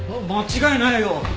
間違いないよ！